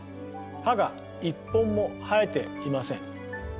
歯が一本も生えていません。